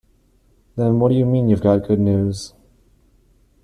Then what do you mean you've got good news?